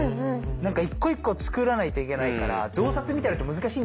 一個一個作らないといけないから増刷みたいのって難しいんですよね？